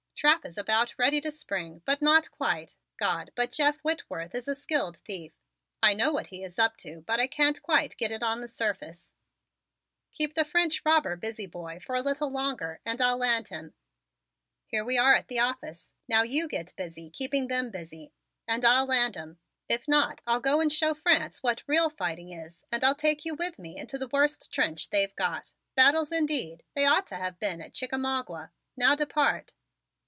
"Trap is about ready to spring, but not quite. God, but Jeff Whitworth is a skilled thief! I know what he is up to but I can't quite get it on the surface. Keep the French robber busy, boy, for a little longer, and I'll land him. Here we are at the office! Now you get busy keeping them busy and I'll land 'em. If not, I'll go and show France what real fighting is and I'll take you with me into the worst trench they've got! Battles, indeed they ought to have been at Chickamauga. Now depart!"